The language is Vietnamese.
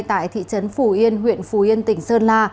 tại thị trấn phù yên huyện phù yên tỉnh sơn la